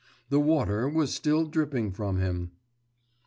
The water was still dripping from him.